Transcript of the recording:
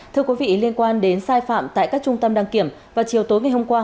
thưa quý vị liên quan đến sai phạm tại các trung tâm đăng kiểm vào chiều tối ngày hôm qua